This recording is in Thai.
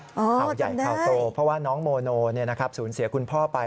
ข่าวใหญ่ข่าวโตเพราะว่าน้องโมโนสูญเสียคุณพ่อไป